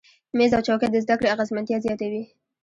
میز او چوکۍ د زده کړې اغیزمنتیا زیاتوي.